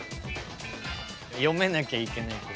読めなきゃいけない。